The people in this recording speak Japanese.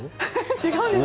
違うんです。